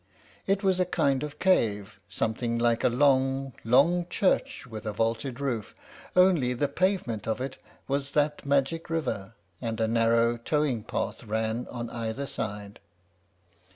It was a kind of cave, something like a long, long church with a vaulted roof, only the pavement of it was that magic river, and a narrow towing path ran on either side.